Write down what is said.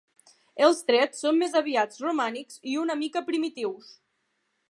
Els trets són més aviat romànics i una mica primitius.